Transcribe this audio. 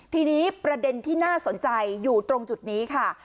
ทีนี้ประเด็นที่น่าสนใจอยู่ตรงจุดนี้ค่ะ